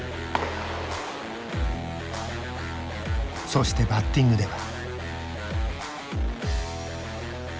そしてバッティングでは。